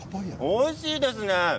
おいしいですね。